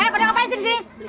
eh pada ngapain sih di sini